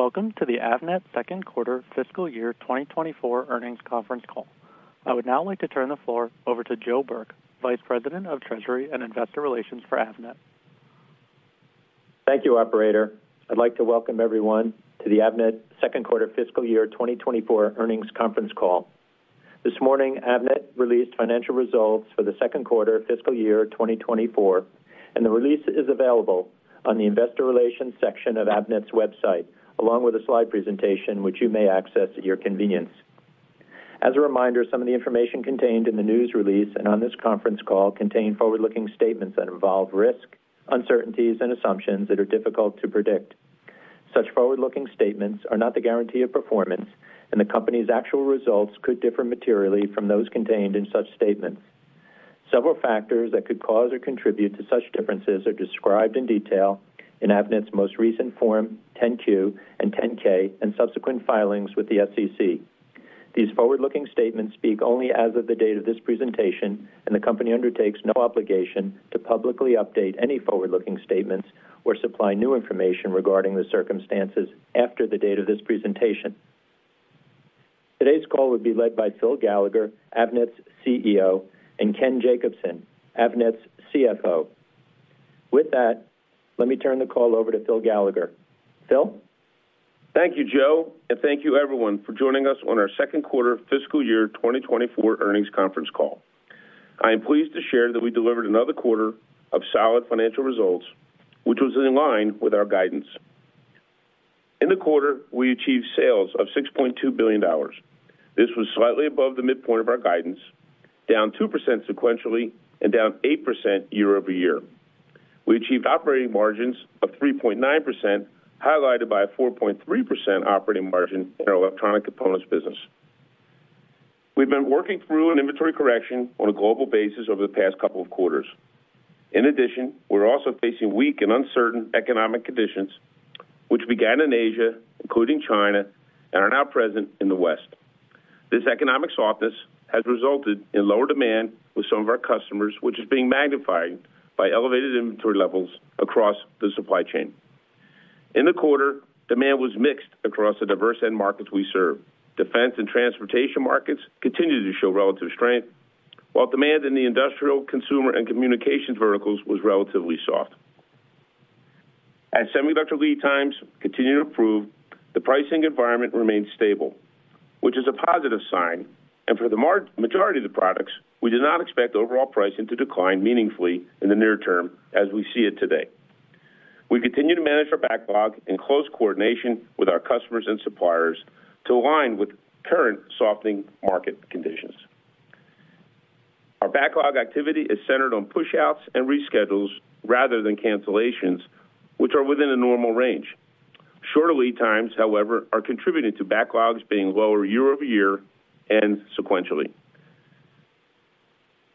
Welcome to the Avnet second quarter fiscal year 2024 earnings conference call. I would now like to turn the floor over to Joe Burke, Vice President of Treasury and Investor Relations for Avnet. Thank you, operator. I'd like to welcome everyone to the Avnet second quarter fiscal year 2024 earnings conference call. This morning, Avnet released financial results for the second quarter fiscal year 2024, and the release is available on the investor relations section of Avnet's website, along with a slide presentation, which you may access at your convenience. As a reminder, some of the information contained in the news release and on this conference call contain forward-looking statements that involve risk, uncertainties and assumptions that are difficult to predict. Such forward-looking statements are not the guarantee of performance, and the company's actual results could differ materially from those contained in such statements. Several factors that could cause or contribute to such differences are described in detail in Avnet's most recent Form 10-Q and Form 10-K, and subsequent filings with the SEC. These forward-looking statements speak only as of the date of this presentation, and the company undertakes no obligation to publicly update any forward-looking statements or supply new information regarding the circumstances after the date of this presentation. Today's call will be led by Phil Gallagher, Avnet's CEO, and Ken Jacobson, Avnet's CFO. With that, let me turn the call over to Phil Gallagher. Phil? Thank you, Joe, and thank you everyone for joining us on our second quarter fiscal year 2024 earnings conference call. I am pleased to share that we delivered another quarter of solid financial results, which was in line with our guidance. In the quarter, we achieved sales of $6.2 billion. This was slightly above the midpoint of our guidance, down 2% sequentially and down 8% year-over-year. We achieved operating margins of 3.9%, highlighted by a 4.3% operating margin in our electronic components business. We've been working through an inventory correction on a global basis over the past couple of quarters. In addition, we're also facing weak and uncertain economic conditions, which began in Asia, including China, and are now present in the West. This economic softness has resulted in lower demand with some of our customers, which is being magnified by elevated inventory levels across the supply chain. In the quarter, demand was mixed across the diverse end markets we serve. Defense and transportation markets continued to show relative strength, while demand in the industrial, consumer and communications verticals was relatively soft. As semiconductor lead times continue to improve, the pricing environment remains stable, which is a positive sign, and for the majority of the products, we do not expect overall pricing to decline meaningfully in the near term as we see it today. We continue to manage our backlog in close coordination with our customers and suppliers to align with current softening market conditions. Our backlog activity is centered on pushouts and reschedules rather than cancellations, which are within a normal range. Shorter lead times, however, are contributing to backlogs being lower year-over-year and sequentially.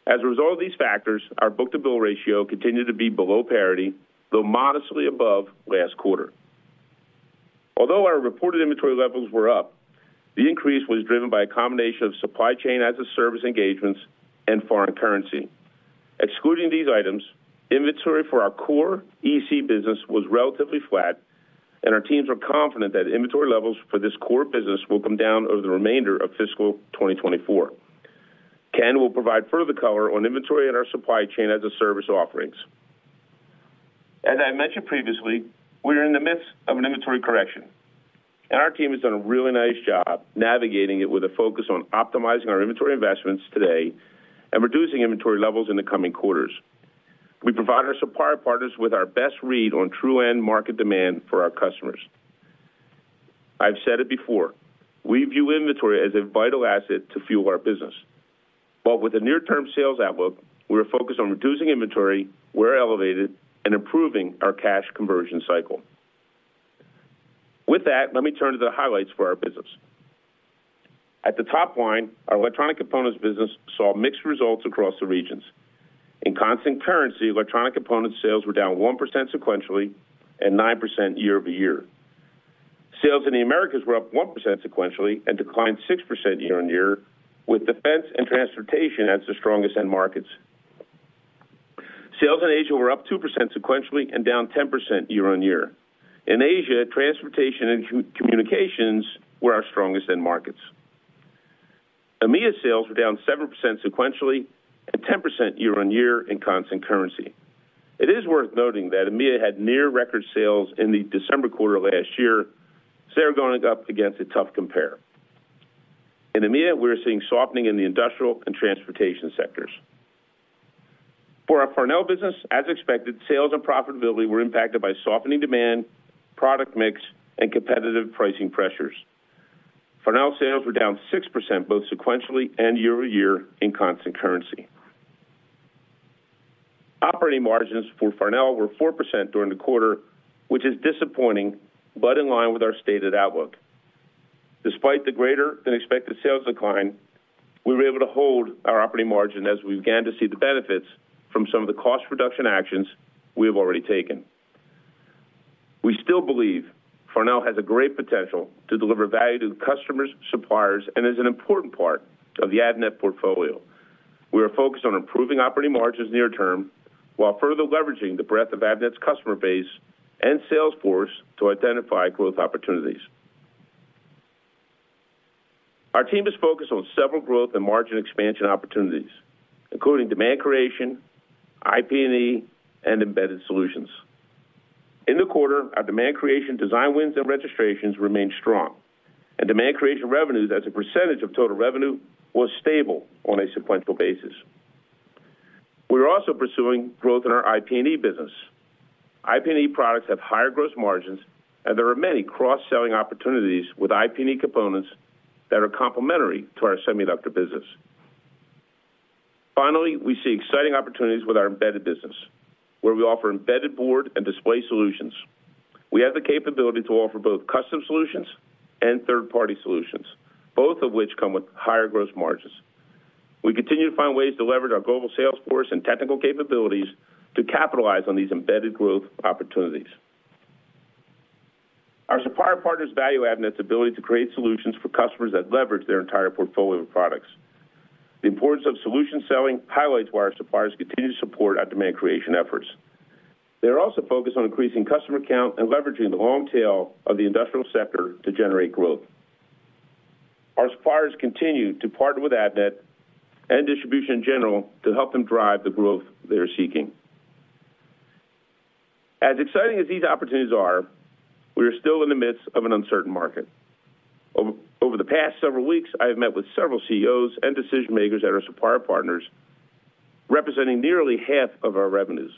As a result of these factors, our book-to-bill ratio continued to be below parity, though modestly above last quarter. Although our reported inventory levels were up, the increase was driven by a combination of supply chain as a service engagements and foreign currency. Excluding these items, inventory for our core EC business was relatively flat, and our teams are confident that inventory levels for this core business will come down over the remainder of fiscal 2024. Ken will provide further color on inventory and our supply chain as a service offerings. As I mentioned previously, we're in the midst of an inventory correction, and our team has done a really nice job navigating it with a focus on optimizing our inventory investments today and reducing inventory levels in the coming quarters. We provide our supplier partners with our best read on true end market demand for our customers. I've said it before, we view inventory as a vital asset to fuel our business. But with the near-term sales outlook, we're focused on reducing inventory where elevated and improving our cash conversion cycle. With that, let me turn to the highlights for our business. At the top line, our electronic components business saw mixed results across the regions. In constant currency, electronic components sales were down 1% sequentially and 9% year-over-year. Sales in the Americas were up 1% sequentially and declined 6% year-over-year, with defense and transportation as the strongest end markets. Sales in Asia were up 2% sequentially and down 10% year-over-year. In Asia, transportation and communications were our strongest end markets. EMEA sales were down 7% sequentially and 10% year-over-year in constant currency. It is worth noting that EMEA had near record sales in the December quarter last year, so they're going up against a tough compare. In EMEA, we're seeing softening in the industrial and transportation sectors. For our Farnell business, as expected, sales and profitability were impacted by softening demand, product mix, and competitive pricing pressures. Farnell sales were down 6%, both sequentially and year-over-year in constant currency. Operating margins for Farnell were 4% during the quarter, which is disappointing but in line with our stated outlook. Despite the greater-than-expected sales decline, we were able to hold our operating margin as we began to see the benefits from some of the cost reduction actions we have already taken. We still believe Farnell has a great potential to deliver value to the customers, suppliers, and is an important part of the Avnet portfolio. We are focused on improving operating margins near term, while further leveraging the breadth of Avnet's customer base and sales force to identify growth opportunities. Our team is focused on several growth and margin expansion opportunities, including demand creation, IP&E, and embedded solutions. In the quarter, our demand creation design wins and registrations remained strong, and demand creation revenues as a percentage of total revenue was stable on a sequential basis. We are also pursuing growth in our IP&E business. IP&E products have higher gross margins, and there are many cross-selling opportunities with IP&E components that are complementary to our semiconductor business. Finally, we see exciting opportunities with our embedded business, where we offer embedded board and display solutions. We have the capability to offer both custom solutions and third-party solutions, both of which come with higher gross margins. We continue to find ways to leverage our global sales force and technical capabilities to capitalize on these embedded growth opportunities. Our supplier partners value Avnet's ability to create solutions for customers that leverage their entire portfolio of products. The importance of solution selling highlights why our suppliers continue to support our demand creation efforts. They are also focused on increasing customer count and leveraging the long tail of the industrial sector to generate growth. Our suppliers continue to partner with Avnet and distribution in general to help them drive the growth they are seeking. As exciting as these opportunities are, we are still in the midst of an uncertain market. Over the past several weeks, I have met with several CEOs and decision-makers at our supplier partners, representing nearly half of our revenues.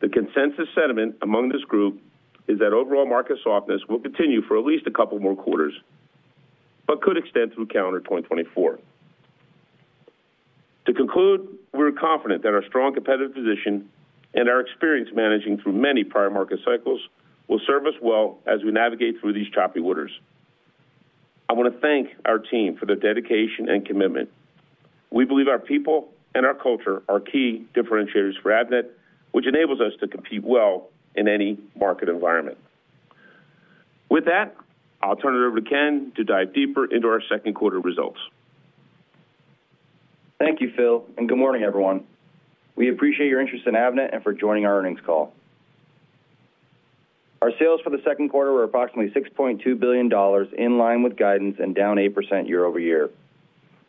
The consensus sentiment among this group is that overall market softness will continue for at least a couple more quarters, but could extend through calendar 2024. To conclude, we're confident that our strong competitive position and our experience managing through many prior market cycles will serve us well as we navigate through these choppy waters. I want to thank our team for their dedication and commitment. We believe our people and our culture are key differentiators for Avnet, which enables us to compete well in any market environment. With that, I'll turn it over to Ken to dive deeper into our second quarter results. Thank you, Phil, and good morning, everyone. We appreciate your interest in Avnet and for joining our earnings call. Our sales for the second quarter were approximately $6.2 billion, in line with guidance and down 8% year-over-year.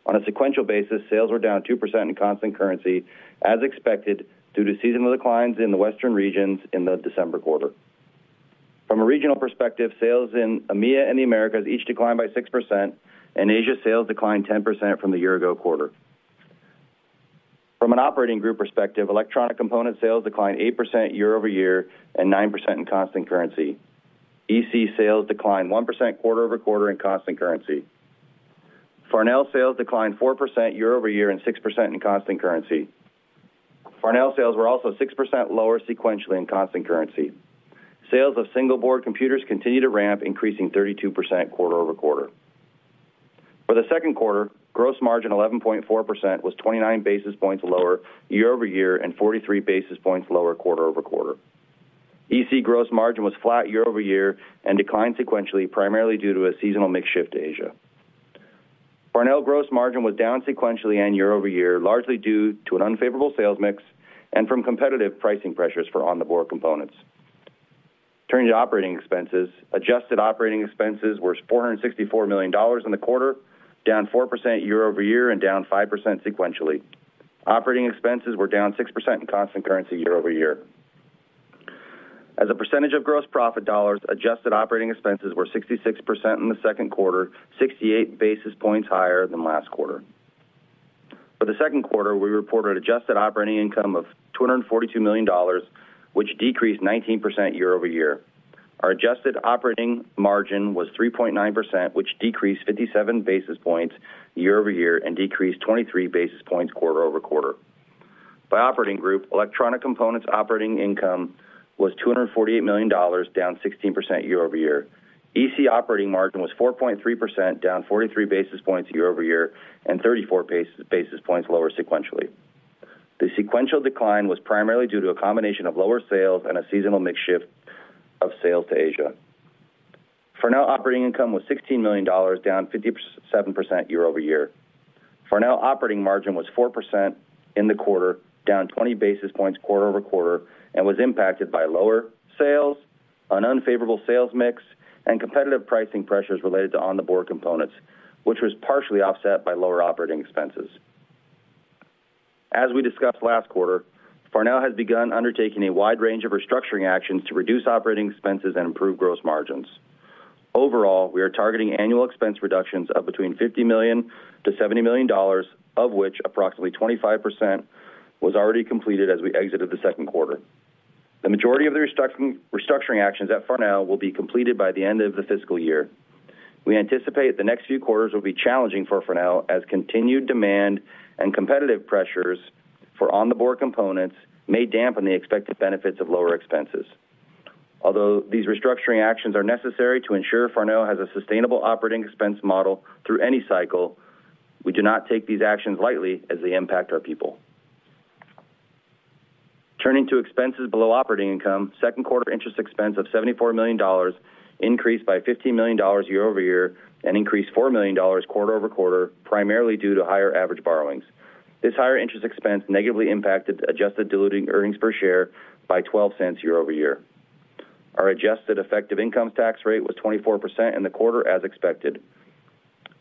On a sequential basis, sales were down 2% in constant currency, as expected, due to seasonal declines in the Western regions in the December quarter. From a regional perspective, sales in EMEA and the Americas each declined by 6%, and Asia sales declined 10% from the year ago quarter. From an operating group perspective, electronic component sales declined 8% year-over-year and 9% in constant currency. EC sales declined 1% quarter-over-quarter in constant currency. Farnell sales declined 4% year-over-year and 6% in constant currency. Farnell sales were also 6% lower sequentially in constant currency. Sales of single-board computers continue to ramp, increasing 32% quarter-over-quarter. For the second quarter, gross margin 11.4% was 29 basis points lower year-over-year and 43 basis points lower quarter-over-quarter. EC gross margin was flat year-over-year and declined sequentially, primarily due to a seasonal mix shift to Asia. Farnell gross margin was down sequentially and year-over-year, largely due to an unfavorable sales mix and from competitive pricing pressures for on-the-board components. Turning to operating expenses, adjusted operating expenses were $464 million in the quarter, down 4% year-over-year and down 5% sequentially. Operating expenses were down 6% in constant currency year-over-year. As a percentage of gross profit dollars, adjusted operating expenses were 66% in the second quarter, 68 basis points higher than last quarter. For the second quarter, we reported adjusted operating income of $242 million, which decreased 19% year-over-year. Our adjusted operating margin was 3.9%, which decreased 57 basis points year-over-year and decreased 23 basis points quarter-over-quarter. By operating group, electronic components operating income was $248 million, down 16% year-over-year. EC operating margin was 4.3%, down 43 basis points year-over-year and 34 basis points lower sequentially. The sequential decline was primarily due to a combination of lower sales and a seasonal mix shift of sales to Asia. Farnell operating income was $16 million, down 57% year-over-year. Farnell operating margin was 4% in the quarter, down 20 basis points quarter-over-quarter, and was impacted by lower sales, an unfavorable sales mix, and competitive pricing pressures related to on-board components, which was partially offset by lower operating expenses. As we discussed last quarter, Farnell has begun undertaking a wide range of restructuring actions to reduce operating expenses and improve gross margins. Overall, we are targeting annual expense reductions of between $50 million-$70 million, of which approximately 25% was already completed as we exited the second quarter. The majority of the restructuring actions at Farnell will be completed by the end of the fiscal year. We anticipate the next few quarters will be challenging for Farnell, as continued demand and competitive pressures for on-board components may dampen the expected benefits of lower expenses. Although these restructuring actions are necessary to ensure Farnell has a sustainable operating expense model through any cycle, we do not take these actions lightly as they impact our people. Turning to expenses below operating income, second quarter interest expense of $74 million increased by $15 million year-over-year and increased $4 million quarter-over-quarter, primarily due to higher average borrowings. This higher interest expense negatively impacted adjusted diluted earnings per share by $0.12 year-over-year. Our adjusted effective income tax rate was 24% in the quarter, as expected.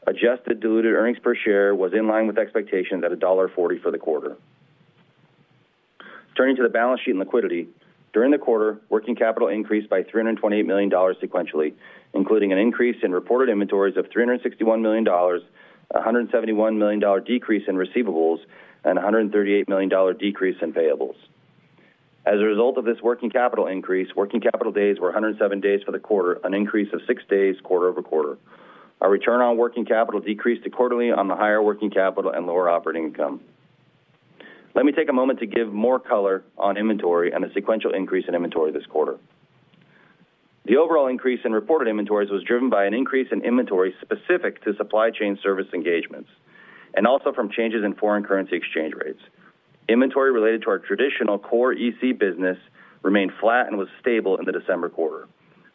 Adjusted diluted earnings per share was in line with expectations at $1.40 for the quarter. Turning to the balance sheet and liquidity. During the quarter, working capital increased by $328 million sequentially, including an increase in reported inventories of $361 million, a $171 million decrease in receivables, and a $138 million decrease in payables. As a result of this working capital increase, working capital days were 107 days for the quarter, an increase of 6 days quarter-over-quarter. Our return on working capital decreased quarterly on the higher working capital and lower operating income. Let me take a moment to give more color on inventory and the sequential increase in inventory this quarter. The overall increase in reported inventories was driven by an increase in inventory specific to supply chain service engagements, and also from changes in foreign currency exchange rates. Inventory related to our traditional core EC business remained flat and was stable in the December quarter.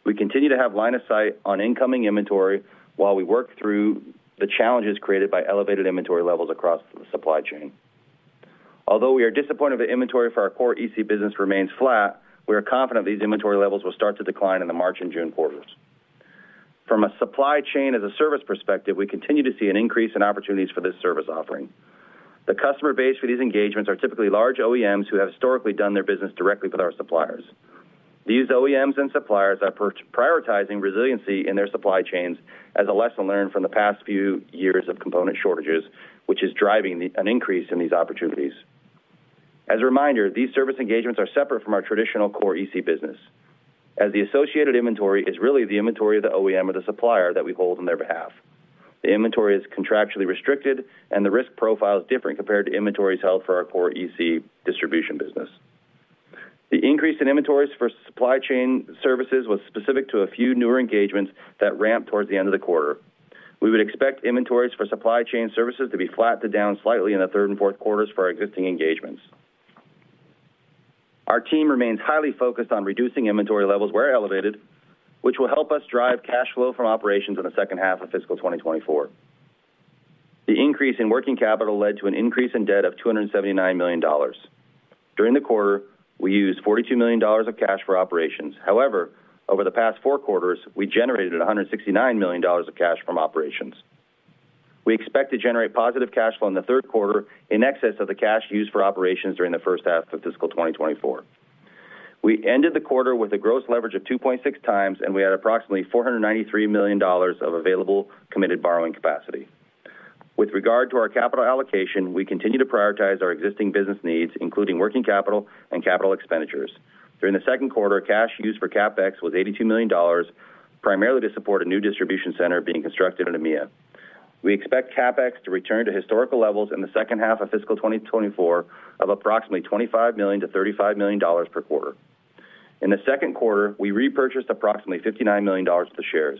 We continue to have line of sight on incoming inventory while we work through the challenges created by elevated inventory levels across the supply chain. Although we are disappointed that inventory for our core EC business remains flat, we are confident these inventory levels will start to decline in the March and June quarters. From a supply chain as a service perspective, we continue to see an increase in opportunities for this service offering. The customer base for these engagements are typically large OEMs who have historically done their business directly with our suppliers. These OEMs and suppliers are prioritizing resiliency in their supply chains as a lesson learned from the past few years of component shortages, which is driving an increase in these opportunities. As a reminder, these service engagements are separate from our traditional core EC business, as the associated inventory is really the inventory of the OEM or the supplier that we hold on their behalf. The inventory is contractually restricted, and the risk profile is different compared to inventories held for our core EC distribution business. The increase in inventories for supply chain services was specific to a few newer engagements that ramped towards the end of the quarter. We would expect inventories for supply chain services to be flat to down slightly in the third and fourth quarters for our existing engagements. Our team remains highly focused on reducing inventory levels where elevated, which will help us drive cash flow from operations in the second half of fiscal 2024. The increase in working capital led to an increase in debt of $279 million. During the quarter, we used $42 million of cash for operations. However, over the past 4 quarters, we generated $169 million of cash from operations. We expect to generate positive cash flow in the third quarter in excess of the cash used for operations during the first half of fiscal 2024. We ended the quarter with a gross leverage of 2.6 times, and we had approximately $493 million of available committed borrowing capacity. With regard to our capital allocation, we continue to prioritize our existing business needs, including working capital and capital expenditures. During the second quarter, cash used for CapEx was $82 million, primarily to support a new distribution center being constructed in EMEA. We expect CapEx to return to historical levels in the second half of fiscal 2024 of approximately $25 million-$35 million per quarter. In the second quarter, we repurchased approximately $59 million of the shares.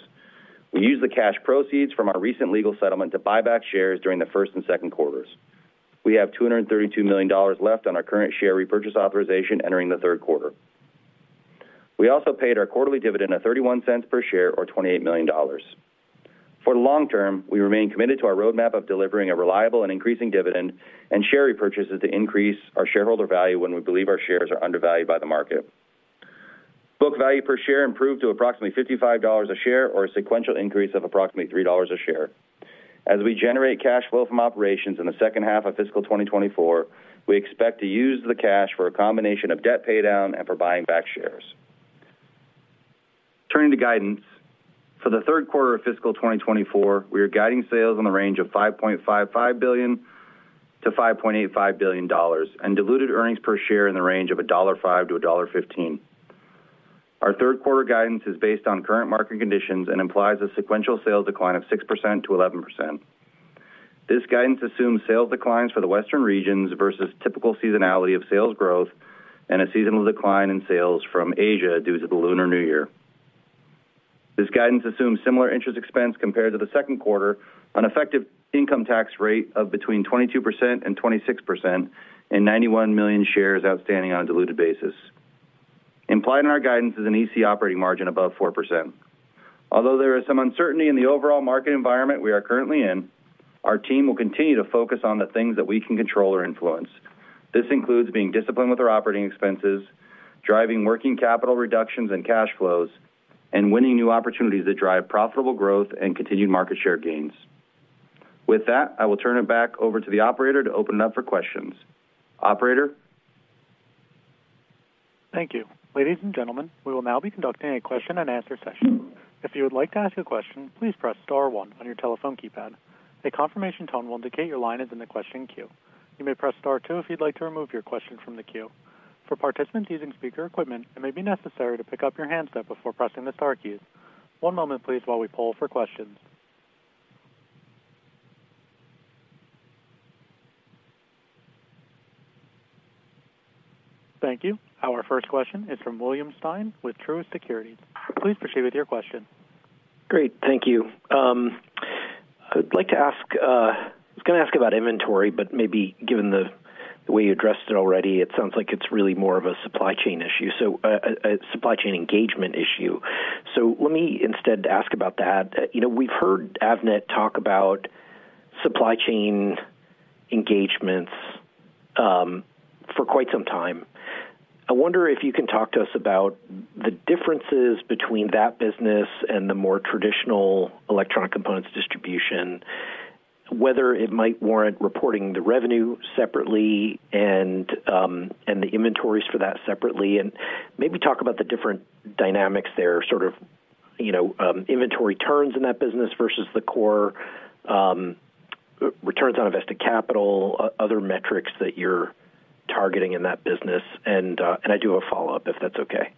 We used the cash proceeds from our recent legal settlement to buy back shares during the first and second quarters. We have $232 million left on our current share repurchase authorization entering the third quarter. We also paid our quarterly dividend of $0.31 per share, or $28 million. For the long term, we remain committed to our roadmap of delivering a reliable and increasing dividend and share repurchases to increase our shareholder value when we believe our shares are undervalued by the market. Book value per share improved to approximately $55 a share, or a sequential increase of approximately $3 a share. As we generate cash flow from operations in the second half of fiscal 2024, we expect to use the cash for a combination of debt paydown and for buying back shares. Turning to guidance. For the third quarter of fiscal 2024, we are guiding sales in the range of $5.55 billion-$5.85 billion and diluted earnings per share in the range of $1.05-$1.15. Our third quarter guidance is based on current market conditions and implies a sequential sales decline of 6%-11%. This guidance assumes sales declines for the Western regions versus typical seasonality of sales growth and a seasonal decline in sales from Asia due to the Lunar New Year. This guidance assumes similar interest expense compared to the second quarter, an effective income tax rate of between 22% and 26%, and 91 million shares outstanding on a diluted basis. Implied in our guidance is an EC operating margin above 4%. Although there is some uncertainty in the overall market environment we are currently in, our team will continue to focus on the things that we can control or influence. This includes being disciplined with our operating expenses, driving working capital reductions and cash flows, and winning new opportunities that drive profitable growth and continued market share gains. With that, I will turn it back over to the operator to open it up for questions. Operator? Thank you. Ladies and gentlemen, we will now be conducting a question-and-answer session. If you would like to ask a question, please press star one on your telephone keypad. A confirmation tone will indicate your line is in the question queue. You may press star two if you'd like to remove your question from the queue. For participants using speaker equipment, it may be necessary to pick up your handset before pressing the star keys. One moment, please, while we poll for questions. Thank you. Our first question is from William Stein with Truist Securities. Please proceed with your question. Great. Thank you.... I'd like to ask, I was gonna ask about inventory, but maybe given the way you addressed it already, it sounds like it's really more of a supply chain issue, so, a supply chain engagement issue. So let me instead ask about that. You know, we've heard Avnet talk about supply chain engagements for quite some time. I wonder if you can talk to us about the differences between that business and the more traditional electronic components distribution, whether it might warrant reporting the revenue separately and the inventories for that separately, and maybe talk about the different dynamics there, sort of, you know, inventory turns in that business versus the core, returns on invested capital, other metrics that you're targeting in that business. And I do have a follow-up, if that's okay.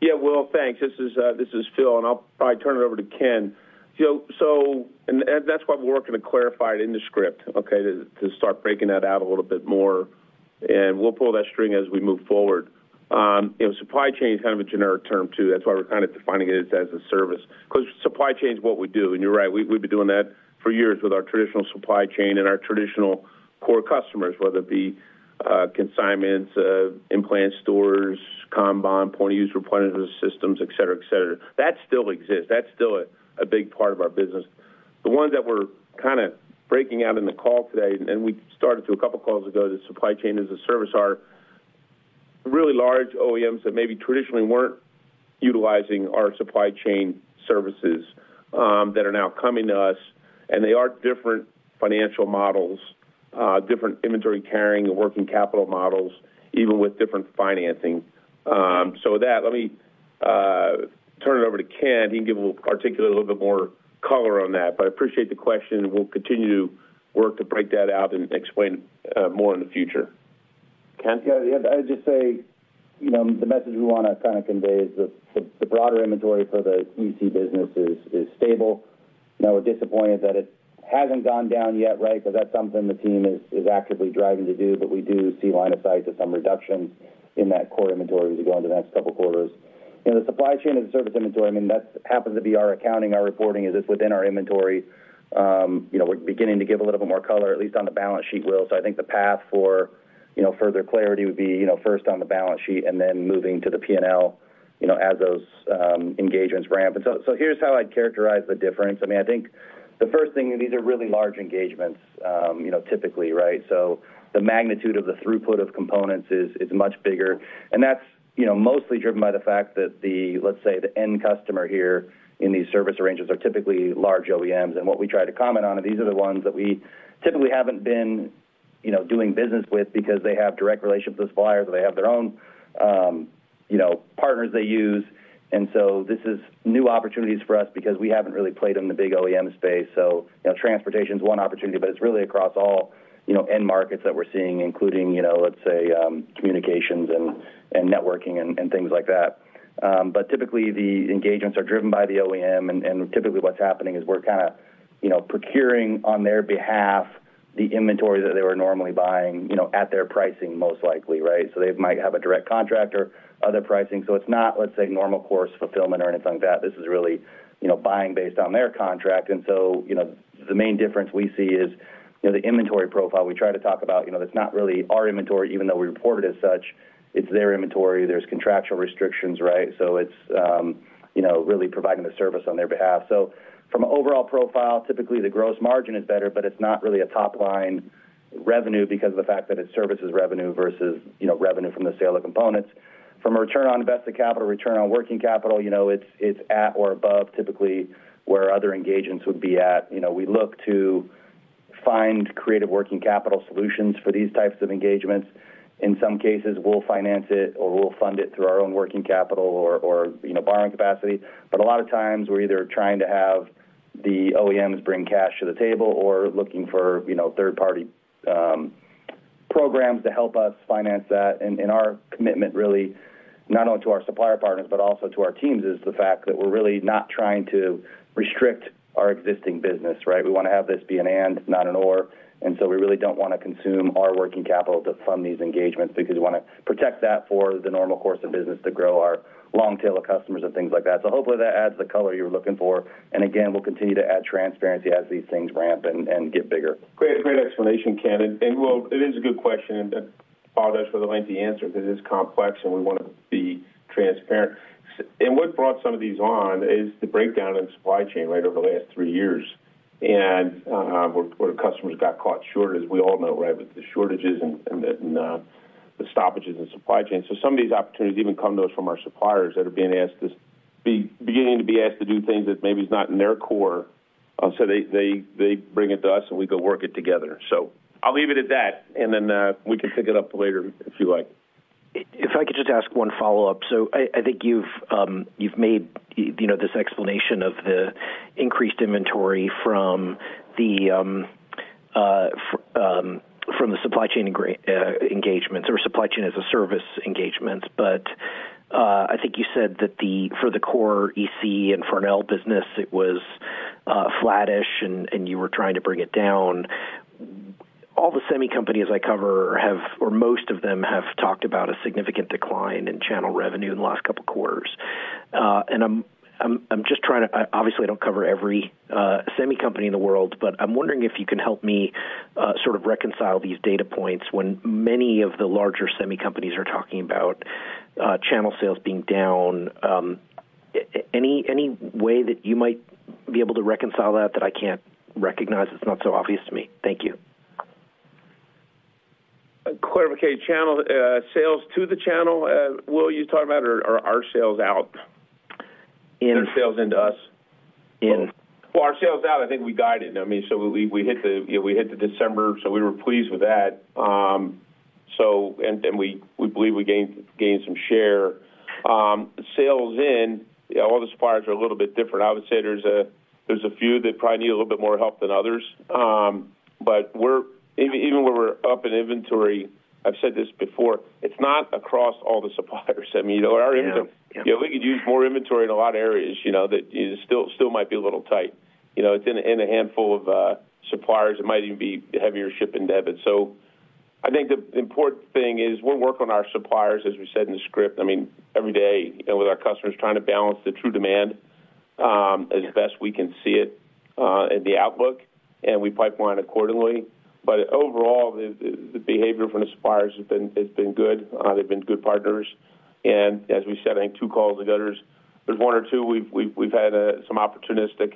Yeah, Will, thanks. This is, this is Phil, and I'll probably turn it over to Ken. So, that's why we're working to clarify it in the script, okay, to start breaking that out a little bit more, and we'll pull that string as we move forward. You know, supply chain is kind of a generic term, too. That's why we're kind of defining it as a service, 'cause supply chain is what we do. And you're right, we've been doing that for years with our traditional supply chain and our traditional core customers, whether it be consignments, in-plant stores, Kanban, point-of-use representative systems, et cetera, et cetera. That still exists. That's still a big part of our business. The ones that we're kinda breaking out in the call today, and we started to a couple of calls ago, that supply chain as a service are really large OEMs that maybe traditionally weren't utilizing our supply chain services, that are now coming to us, and they are different financial models, different inventory carrying and working capital models, even with different financing. So with that, let me turn it over to Ken. He can give a little, articulate a little bit more color on that. But I appreciate the question, and we'll continue to work to break that out and explain, more in the future. Ken? Yeah, I'd just say, you know, the message we wanna kind of convey is the broader inventory for the EC business is stable. Now, we're disappointed that it hasn't gone down yet, right? But that's something the team is actively driving to do, but we do see line of sight to some reductions in that core inventory as we go into the next couple of quarters. You know, the supply chain as a service inventory, I mean, that happens to be our accounting, our reporting, is it's within our inventory. You know, we're beginning to give a little bit more color, at least on the balance sheet, Will. So I think the path for, you know, further clarity would be, you know, first on the balance sheet and then moving to the P&L, you know, as those engagements ramp. So here's how I'd characterize the difference. I mean, I think the first thing, these are really large engagements, you know, typically, right? So the magnitude of the throughput of components is much bigger, and that's, you know, mostly driven by the fact that the, let's say, the end customer here in these service arrangements are typically large OEMs. And what we try to comment on are these are the ones that we typically haven't been, you know, doing business with because they have direct relationships with suppliers, or they have their own, you know, partners they use. And so this is new opportunities for us because we haven't really played in the big OEM space. So, you know, transportation is one opportunity, but it's really across all, you know, end markets that we're seeing, including, you know, let's say, communications and networking and things like that. But typically, the engagements are driven by the OEM, and typically what's happening is we're kinda, you know, procuring on their behalf the inventory that they were normally buying, you know, at their pricing, most likely, right? So they might have a direct contract or other pricing. So it's not, let's say, normal course fulfillment or anything like that. This is really, you know, buying based on their contract. And so, you know, the main difference we see is, you know, the inventory profile we try to talk about, you know, that's not really our inventory, even though we report it as such. It's their inventory. There's contractual restrictions, right? So it's, you know, really providing the service on their behalf. So from an overall profile, typically the gross margin is better, but it's not really a top-line revenue because of the fact that it's services revenue versus, you know, revenue from the sale of components. From a return on invested capital, return on working capital, you know, it's, it's at or above typically where other engagements would be at. You know, we look to find creative working capital solutions for these types of engagements. In some cases, we'll finance it or we'll fund it through our own working capital or, or, you know, borrowing capacity. But a lot of times, we're either trying to have the OEMs bring cash to the table or looking for, you know, third-party programs to help us finance that. Our commitment, really, not only to our supplier partners, but also to our teams, is the fact that we're really not trying to restrict our existing business, right? We wanna have this be an and, not an or, and so we really don't wanna consume our working capital to fund these engagements because we wanna protect that for the normal course of business to grow our long tail of customers and things like that. So hopefully, that adds the color you're looking for. And again, we'll continue to add transparency as these things ramp and get bigger. Great, great explanation, Ken. And Will, it is a good question, and apologize for the lengthy answer, because it is complex, and we wanna be transparent. And what brought some of these on is the breakdown in supply chain, right, over the last three years, and where customers got caught short, as we all know, right, with the shortages and the stoppages in supply chain. So some of these opportunities even come to us from our suppliers that are being asked beginning to be asked to do things that maybe is not in their core. So they bring it to us, and we go work it together. So I'll leave it at that, and then we can pick it up later, if you like. If I could just ask one follow-up. So I think you've made, you know, this explanation of the increased inventory from the supply chain engagements or supply chain as a service engagements, but I think you said that for the core EC and Farnell business, it was flattish, and you were trying to bring it down.... All the semi companies I cover have, or most of them have talked about a significant decline in channel revenue in the last couple of quarters. And I'm just trying to, I obviously don't cover every semi company in the world, but I'm wondering if you can help me sort of reconcile these data points when many of the larger semi companies are talking about channel sales being down. Any way that you might be able to reconcile that that I can't recognize? It's not so obvious to me. Thank you. Clarify channel sales to the channel, Will, you're talking about, or our sales out? In- Their sales into U.S. In. Well, our sales out, I think we guided. I mean, so we, we hit the, you know, we hit the December, so we were pleased with that. So and, and we, we believe we gained, gained some share. Sales in, all the suppliers are a little bit different. I would say there's a, there's a few that probably need a little bit more help than others. But we're even, even where we're up in inventory, I've said this before, it's not across all the suppliers. I mean, our invent- Yeah. You know, we could use more inventory in a lot of areas, you know, that still might be a little tight. You know, in a handful of suppliers, it might even be heavier ship and debit. So I think the important thing is we'll work on our suppliers, as we said in the script, I mean, every day, you know, with our customers, trying to balance the true demand as best we can see it, and the outlook, and we pipeline accordingly. But overall, the behavior from the suppliers has been good. They've been good partners. As we said, I think two calls ago, there's one or two we've had some opportunistic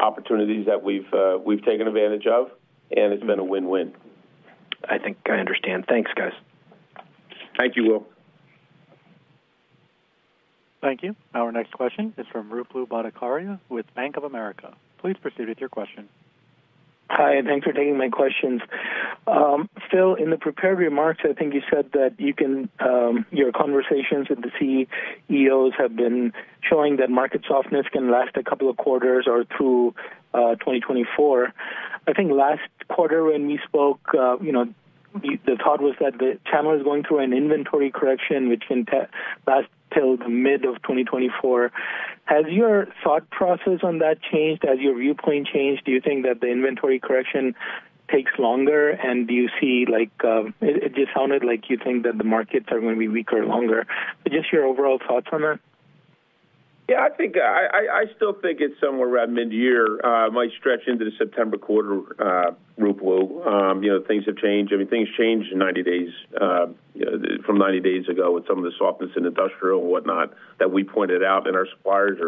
opportunities that we've taken advantage of, and it's been a win-win. I think I understand. Thanks, guys. Thank you, Will. Thank you. Our next question is from Ruplu Bhattacharya with Bank of America. Please proceed with your question. Hi, and thanks for taking my questions. Phil, in the prepared remarks, I think you said that you can, your conversations with the CEOs have been showing that market softness can last a couple of quarters or through 2024. I think last quarter when we spoke, you know, the thought was that the channel is going through an inventory correction, which can last till the mid of 2024. Has your thought process on that changed? Has your viewpoint changed? Do you think that the inventory correction takes longer? And do you see like, It just sounded like you think that the markets are going to be weaker longer. But just your overall thoughts on that? Yeah, I think I still think it's somewhere around mid-year, Ruplu. You know, things have changed. I mean, things changed in 90 days from 90 days ago with some of the softness in industrial and whatnot that we pointed out and our suppliers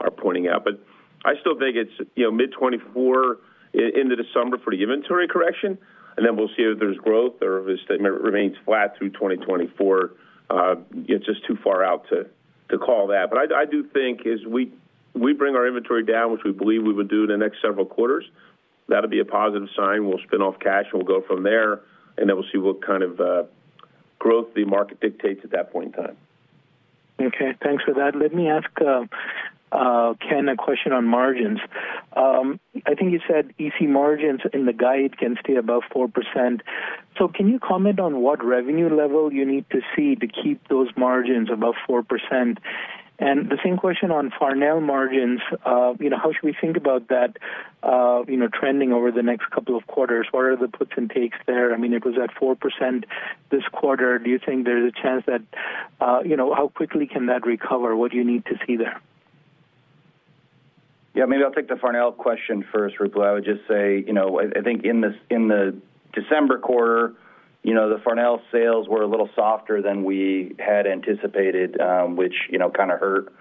are pointing out. But I still think it's, you know, mid-2024, into December for the inventory correction, and then we'll see if there's growth or if it remains flat through 2024. It's just too far out to call that. But I do think as we bring our inventory down, which we believe we would do in the next several quarters, that'll be a positive sign. We'll spin off cash, and we'll go from there, and then we'll see what kind of growth the market dictates at that point in time. Okay, thanks for that. Let me ask, Ken, a question on margins. I think you said EC margins in the guide can stay above 4%. So can you comment on what revenue level you need to see to keep those margins above 4%? And the same question on Farnell margins. You know, how should we think about that, you know, trending over the next couple of quarters? What are the puts and takes there? I mean, it was at 4% this quarter. Do you think there's a chance that, you know, how quickly can that recover? What do you need to see there? Yeah, maybe I'll take the Farnell question first, Ruplu. I would just say, you know, I think in the December quarter, you know, the Farnell sales were a little softer than we had anticipated, which, you know, kind of hurt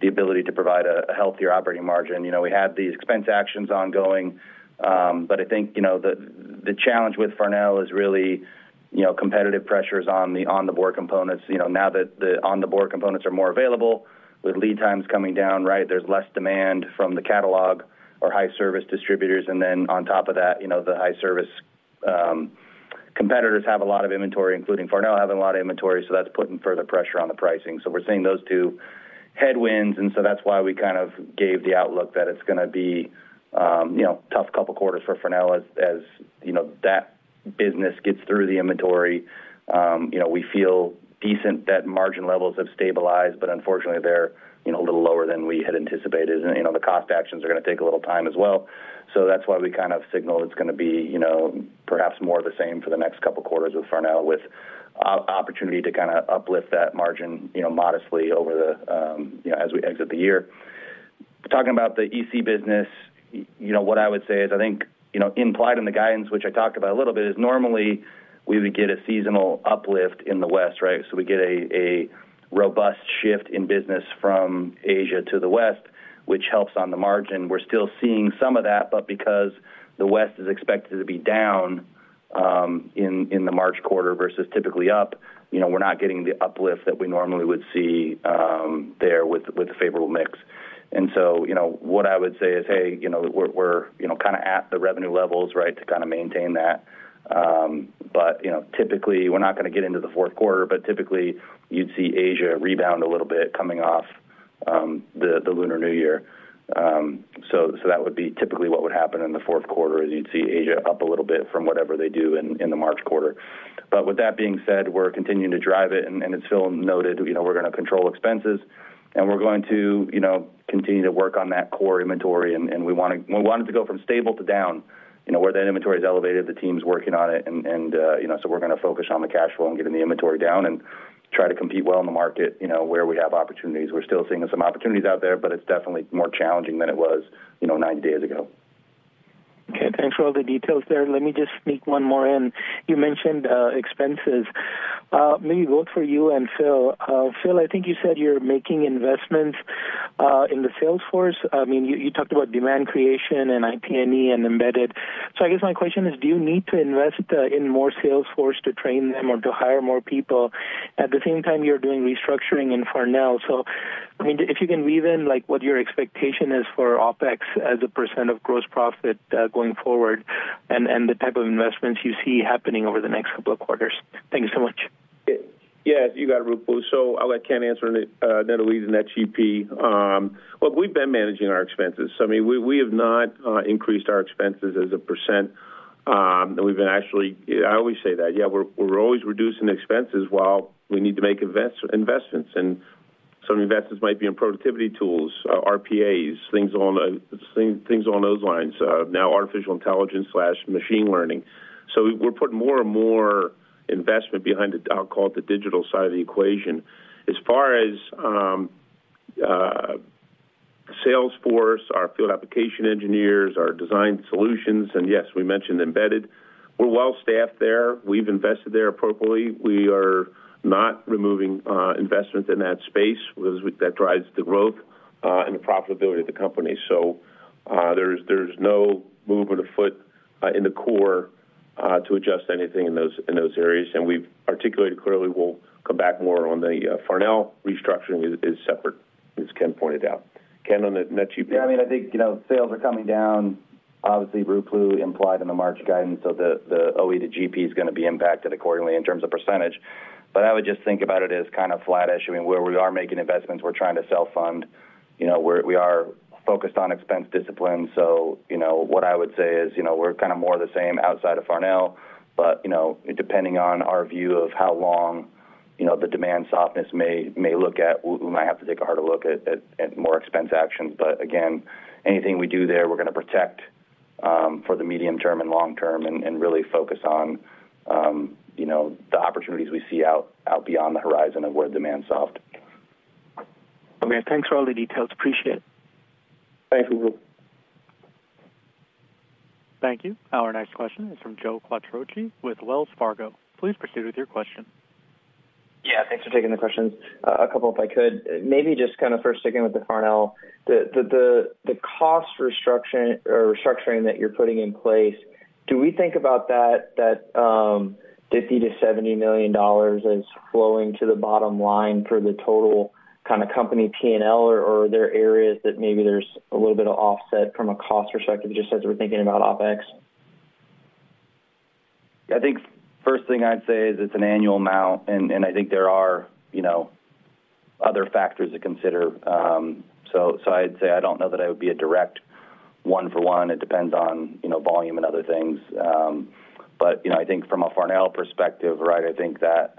the ability to provide a healthier operating margin. You know, we had these expense actions ongoing, but I think, you know, the challenge with Farnell is really, you know, competitive pressures on the board components. You know, now that the board components are more available, with lead times coming down, right, there's less demand from the catalog or high-service distributors. And then on top of that, you know, the high-service competitors have a lot of inventory, including Farnell having a lot of inventory, so that's putting further pressure on the pricing. So we're seeing those two headwinds, and so that's why we kind of gave the outlook that it's gonna be, you know, tough couple of quarters for Farnell as, you know, that business gets through the inventory. You know, we feel decent that margin levels have stabilized, but unfortunately, they're, you know, a little lower than we had anticipated. And, you know, the cost actions are gonna take a little time as well. So that's why we kind of signaled it's gonna be, you know, perhaps more of the same for the next couple of quarters with Farnell, with opportunity to kinda uplift that margin, you know, modestly over the, you know, as we exit the year. Talking about the EC business, you know, what I would say is, I think, you know, implied in the guidance, which I talked about a little bit, is normally we would get a seasonal uplift in the West, right? So we get a robust shift in business from Asia to the West, which helps on the margin. We're still seeing some of that, but because the West is expected to be down in the March quarter versus typically up, you know, we're not getting the uplift that we normally would see there with the favorable mix. And so, you know, what I would say is, hey, you know, we're kind of at the revenue levels, right, to kind of maintain that. But you know, typically, we're not gonna get into the fourth quarter, but typically, you'd see Asia rebound a little bit coming off the Lunar New Year. So that would be typically what would happen in the fourth quarter, is you'd see Asia up a little bit from whatever they do in the March quarter.... But with that being said, we're continuing to drive it, and it's still noted, you know, we're gonna control expenses, and we're going to, you know, continue to work on that core inventory, and we want it to go from stable to down. You know, where that inventory is elevated, the team's working on it, and, you know, so we're gonna focus on the cash flow and getting the inventory down and try to compete well in the market, you know, where we have opportunities. We're still seeing some opportunities out there, but it's definitely more challenging than it was, you know, 90 days ago. Okay, thanks for all the details there. Let me just sneak one more in. You mentioned expenses. Maybe both for you and Phil. Phil, I think you said you're making investments in the sales force. I mean, you talked about demand creation and IP&E and embedded. So I guess my question is, do you need to invest in more sales force to train them or to hire more people? At the same time, you're doing restructuring in Farnell. So, I mean, if you can weave in, like, what your expectation is for OpEx as a % of gross profit, going forward, and the type of investments you see happening over the next couple of quarters. Thank you so much. Yeah, you got it, Ruplu. So I'll let Ken answer the net leads and net GP. Look, we've been managing our expenses, so I mean, we have not increased our expenses as a percent. And we've been actually... I always say that. Yeah, we're always reducing expenses while we need to make investments. And some investments might be in productivity tools, RPAs, things on, things along those lines. Now, artificial intelligence/machine learning. So we're putting more and more investment behind the, I'll call it, the digital side of the equation. As far as Salesforce, our field application engineers, our design solutions, and yes, we mentioned embedded. We're well staffed there. We've invested there appropriately. We are not removing investment in that space. That drives the growth and the profitability of the company. So, there's no movement afoot in the core to adjust anything in those areas. And we've articulated clearly, we'll come back more on the Farnell restructuring is separate, as Ken pointed out. Ken, on the net GP? Yeah, I mean, I think, you know, sales are coming down. Obviously, Ruplu implied in the March guidance, so the, the OpEx to GP is gonna be impacted accordingly in terms of percentage. But I would just think about it as kind of flatish. I mean, where we are making investments, we're trying to self-fund. You know, we're—we are focused on expense discipline. So, you know, what I would say is, you know, we're kind of more the same outside of Farnell, but, you know, depending on our view of how long, you know, the demand softness may look like, we might have to take a harder look at more expense actions. But again, anything we do there, we're gonna protect for the medium term and long term and really focus on, you know, the opportunities we see out beyond the horizon of where the demand soft. Okay, thanks for all the details. Appreciate it. Thank you, Ruplu. Thank you. Our next question is from Joe Quatrochi with Wells Fargo. Please proceed with your question. Yeah, thanks for taking the questions. A couple, if I could. Maybe just kind of first sticking with the Farnell cost structure or restructuring that you're putting in place, do we think about that $50 million-$70 million as flowing to the bottom line for the total kind of company P&L, or are there areas that maybe there's a little bit of offset from a cost perspective, just as we're thinking about OpEx? I think first thing I'd say is it's an annual amount, and I think there are, you know, other factors to consider. So I'd say I don't know that I would be a direct one for one. It depends on, you know, volume and other things. But, you know, I think from a Farnell perspective, right, I think that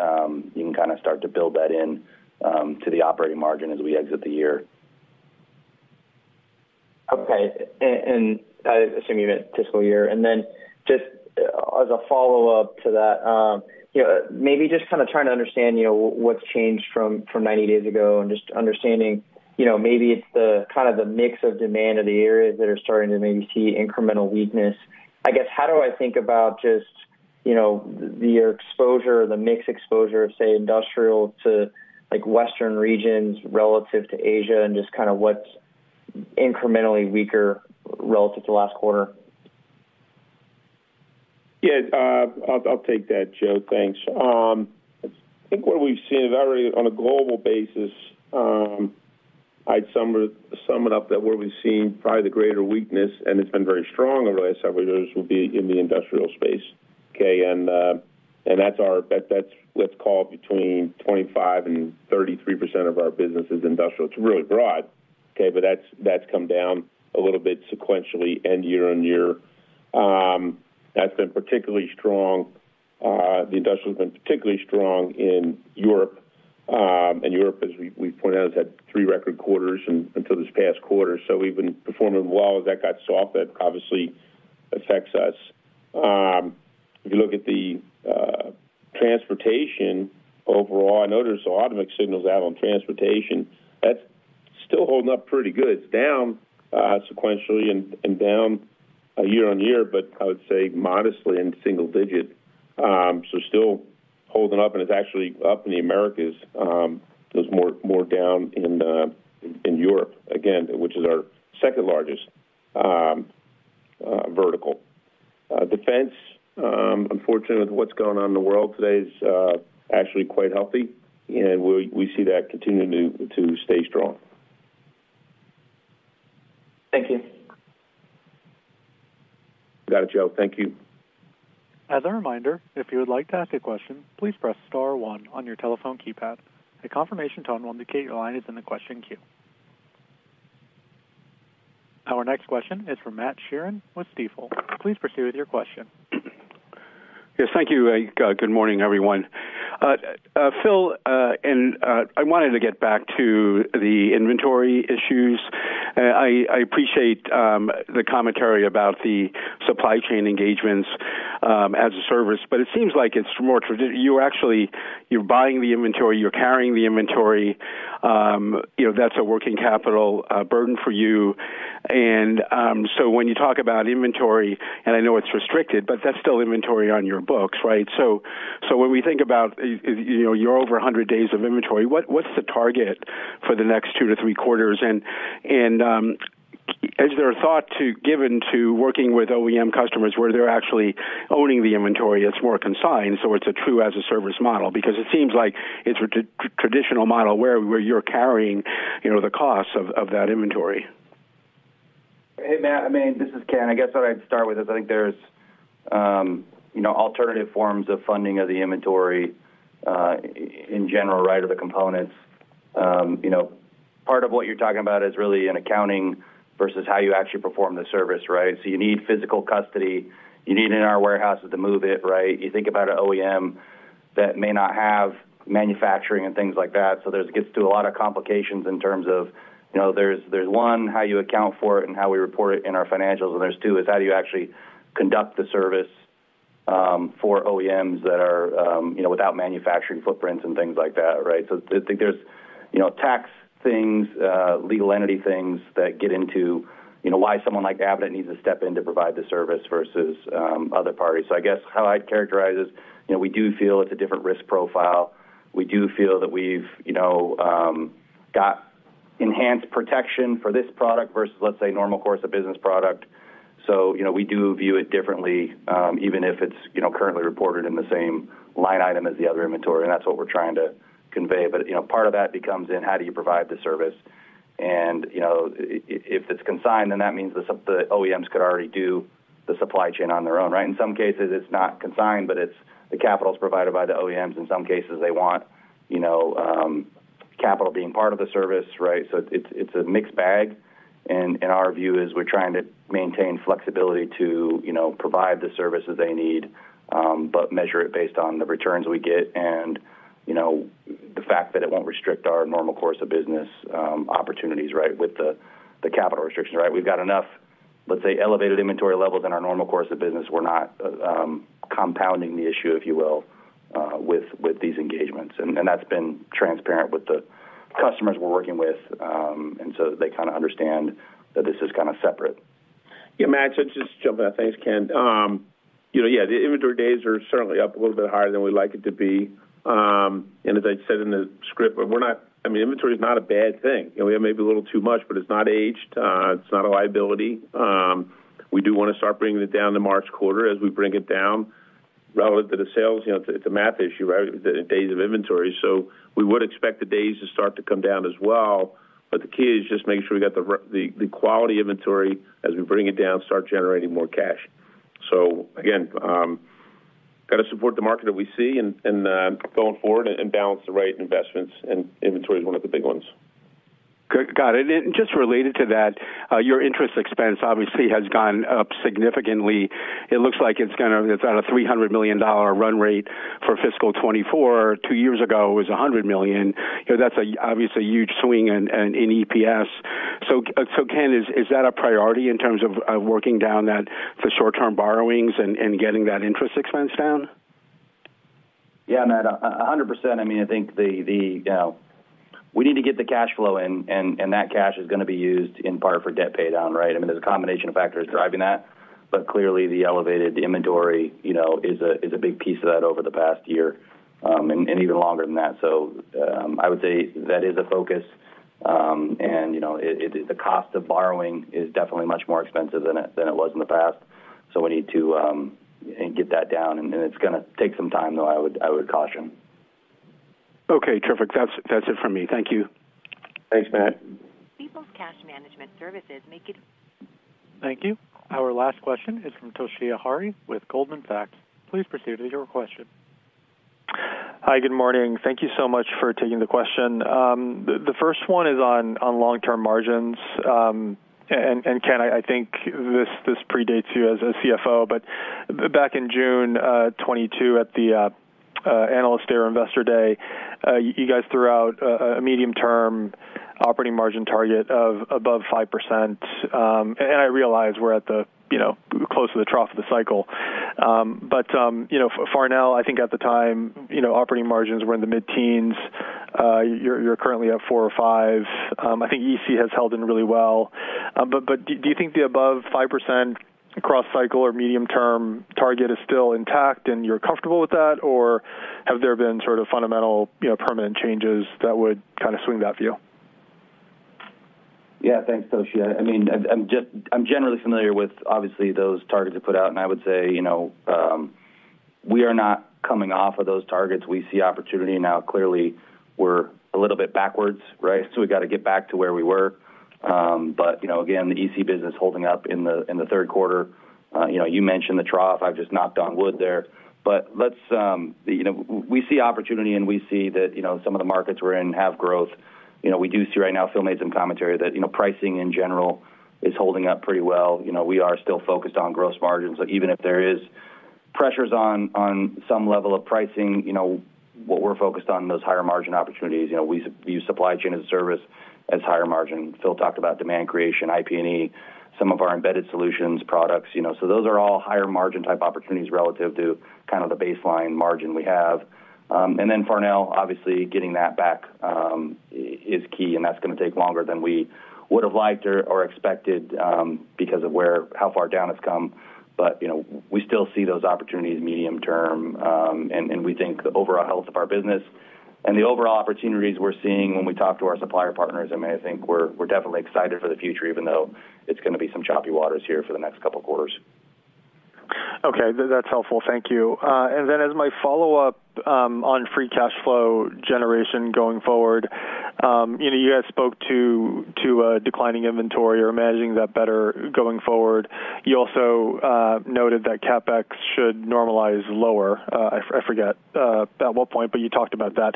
you can kind of start to build that in to the operating margin as we exit the year. Okay. And I assume you meant fiscal year. And then just as a follow-up to that, you know, maybe just kind of trying to understand, you know, what's changed from 90 days ago and just understanding, you know, maybe it's the kind of the mix of demand of the areas that are starting to maybe see incremental weakness. I guess, how do I think about just, you know, your exposure, the mix exposure of, say, industrial to, like, western regions relative to Asia and just kind of what's incrementally weaker relative to last quarter? Yeah, I'll take that, Joe. Thanks. I think what we've seen is already on a global basis. I'd sum it up that where we've seen probably the greater weakness, and it's been very strong over the last several years, will be in the industrial space. Okay, and that's our, that's, let's call it between 25% and 33% of our business is industrial. It's really broad, okay, but that's come down a little bit sequentially and year-over-year. That's been particularly strong, the industrial has been particularly strong in Europe. And Europe, as we pointed out, has had three record quarters until this past quarter, so we've been performing well. As that got softer, obviously affects us. If you look at the transportation overall, I know there's a lot of mixed signals out on transportation. That's still holding up pretty good. It's down sequentially and down year-over-year, but I would say modestly in single-digit. So still holding up, and it's actually up in the Americas, there's more down in Europe, again, which is our second largest vertical. Defense, unfortunately, with what's going on in the world today is actually quite healthy, and we see that continuing to stay strong. Thank you. Got it, Joe. Thank you. As a reminder, if you would like to ask a question, please press star one on your telephone keypad. A confirmation tone will indicate your line is in the question queue. Our next question is from Matt Sheerin with Stifel. Please proceed with your question. Yes, thank you. Good morning, everyone. Phil, I wanted to get back to the inventory issues. I appreciate the commentary about the supply chain engagements as a service, but it seems like it's more. You're actually, you're buying the inventory, you're carrying the inventory. You know, that's a working capital burden for you. And so when you talk about inventory, and I know it's restricted, but that's still inventory on your books, right? So when we think about, you know, you're over 100 days of inventory, what's the target for the next 2-3 quarters? And is there a thought to give into working with OEM customers where they're actually owning the inventory that's more consigned, so it's a true as-a-service model? Because it seems like it's a traditional model where you're carrying, you know, the costs of that inventory. Hey, Matt, I mean, this is Ken. I guess what I'd start with is I think there's, you know, alternative forms of funding of the inventory in general, right, of the components. You know, part of what you're talking about is really an accounting versus how you actually perform the service, right? So you need physical custody. You need it in our warehouses to move it, right? You think about an OEM that may not have manufacturing and things like that, so gets to a lot of complications in terms of, you know, there's one, how you account for it and how we report it in our financials, and there's two, is how do you actually conduct the service for OEMs that are, you know, without manufacturing footprints and things like that, right? So I think there's, you know, tax things, legal entity things that get into, you know, why someone like Avnet needs to step in to provide the service versus, other parties. So I guess how I'd characterize is, you know, we do feel it's a different risk profile. We do feel that we've, you know, got enhanced protection for this product versus, let's say, normal course of business product. So, you know, we do view it differently, even if it's, you know, currently reported in the same line item as the other inventory, and that's what we're trying to convey. But, you know, part of that becomes in how do you provide the service? And, you know, if it's consigned, then that means the OEMs could already do the supply chain on their own, right? In some cases, it's not consigned, but it's the capital is provided by the OEMs. In some cases, they want, you know, capital being part of the service, right? So it's a mixed bag, and our view is we're trying to maintain flexibility to, you know, provide the services they need, but measure it based on the returns we get and, you know, the fact that it won't restrict our normal course of business, opportunities, right, with the capital restrictions, right? We've got enough, let's say, elevated inventory levels in our normal course of business. We're not compounding the issue, if you will, with these engagements, and that's been transparent with the customers we're working with, and so they kind of understand that this is kind of separate. Yeah, Matt, so just to jump in. Thanks, Ken. You know, yeah, the inventory days are certainly up a little bit higher than we'd like it to be. And as I said in the script, we're not... I mean, inventory is not a bad thing. You know, we have maybe a little too much, but it's not aged. It's not a liability. We do want to start bringing it down the March quarter as we bring it down relative to the sales. You know, it's a math issue, right, the days of inventory. So we would expect the days to start to come down as well, but the key is just making sure we got the quality inventory as we bring it down, start generating more cash. So again, got to support the market that we see and going forward and balance the right investments, and inventory is one of the big ones. Got it. And just related to that, your interest expense obviously has gone up significantly. It looks like it's kind of, it's on a $300 million run rate for fiscal 2024. Two years ago, it was $100 million. You know, that's obviously a huge swing in EPS. So, Ken, is that a priority in terms of working down that for short-term borrowings and getting that interest expense down? Yeah, Matt, 100%. I mean, I think the you know, we need to get the cash flow in, and that cash is going to be used in part for debt paydown, right? I mean, there's a combination of factors driving that, but clearly, the elevated inventory, you know, is a big piece of that over the past year, and even longer than that. So, I would say that is a focus, and, you know, the cost of borrowing is definitely much more expensive than it was in the past, so we need to get that down, and it's gonna take some time, though, I would caution. Okay, terrific. That's, that's it for me. Thank you. Thanks, Matt. Thank you. Our last question is from Toshiya Hari with Goldman Sachs. Please proceed with your question. Hi, good morning. Thank you so much for taking the question. The first one is on long-term margins. And Ken, I think this predates you as a CFO, but back in June 2022, at the analyst day or investor day, you guys threw out a medium-term operating margin target of above 5%. And I realize we're at the, you know, close to the trough of the cycle. But you know, for now, I think at the time, you know, operating margins were in the mid-teens. You're currently at 4 or 5. I think EC has held in really well. But do you think the above 5% cross-cycle or medium-term target is still intact, and you're comfortable with that? Or have there been sort of fundamental, you know, permanent changes that would kind of swing that view? Yeah. Thanks, Toshiya. I mean, I'm just. I'm generally familiar with, obviously, those targets you put out, and I would say, you know, we are not coming off of those targets. We see opportunity now. Clearly, we're a little bit backwards, right? So we got to get back to where we were. But, you know, again, the EC business holding up in the third quarter. You know, you mentioned the trough. I've just knocked on wood there. But let's, you know, we see opportunity, and we see that, you know, some of the markets we're in have growth. You know, we do see right now, Phil made some commentary that, you know, pricing, in general, is holding up pretty well. You know, we are still focused on gross margins. So even if there is pressures on, on some level of pricing, you know, what we're focused on, those higher margin opportunities. You know, we use supply chain and service as higher margin. Phil talked about demand creation, IP&E, some of our embedded solutions products, you know, so those are all higher margin type opportunities relative to kind of the baseline margin we have. And then Farnell, obviously, getting that back is key, and that's gonna take longer than we would have liked or expected, because of how far down it's come. But, you know, we still see those opportunities medium term, and we think the overall health of our business and the overall opportunities we're seeing when we talk to our supplier partners. I mean, I think we're definitely excited for the future, even though it's gonna be some choppy waters here for the next couple of quarters. Okay, that's helpful. Thank you. And then as my follow-up on free cash flow generation going forward, you know, you guys spoke to declining inventory. You're managing that better going forward. You also noted that CapEx should normalize lower. I forget at what point, but you talked about that.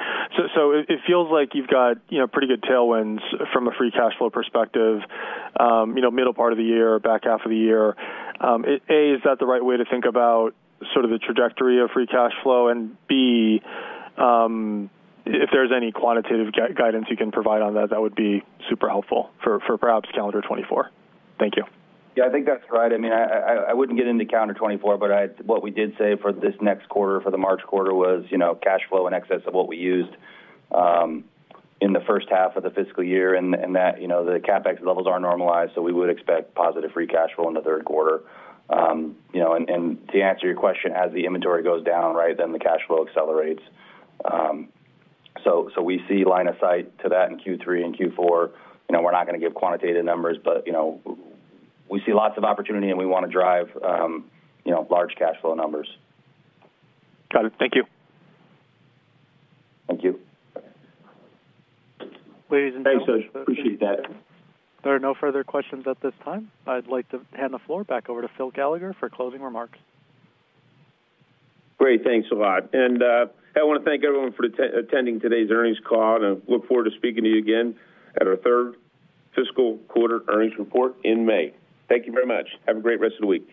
So it feels like you've got, you know, pretty good tailwinds from a free cash flow perspective, you know, middle part of the year, back half of the year. A, is that the right way to think about sort of the trajectory of free cash flow? And, B, if there's any quantitative guidance you can provide on that, that would be super helpful for perhaps calendar 2024. Thank you. Yeah, I think that's right. I mean, I wouldn't get into calendar 2024, but what we did say for this next quarter, for the March quarter, was, you know, cash flow in excess of what we used in the first half of the fiscal year, and that, you know, the CapEx levels are normalized, so we would expect positive free cash flow in the third quarter. You know, to answer your question, as the inventory goes down, right, then the cash flow accelerates. So we see line of sight to that in Q3 and Q4. You know, we're not gonna give quantitative numbers, but, you know, we see lots of opportunity, and we wanna drive, you know, large cash flow numbers. Got it. Thank you. Thank you. Ladies and gentlemen- Thanks, I appreciate that. There are no further questions at this time. I'd like to hand the floor back over to Phil Gallagher for closing remarks. Great. Thanks a lot. And, I wanna thank everyone for attending today's earnings call, and I look forward to speaking to you again at our third fiscal quarter earnings report in May. Thank you very much. Have a great rest of the week.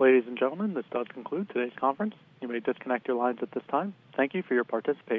Ladies and gentlemen, this does conclude today's conference. You may disconnect your lines at this time. Thank you for your participation.